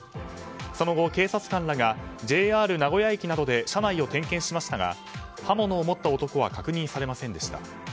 その後、警察官らがＪＲ名古屋駅などで車内を点検しましたが刃物を持った男は確認されませんでした。